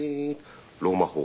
ローマ法王。